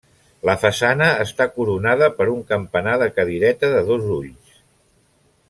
La façana està coronada per un campanar de cadireta de dos ulls.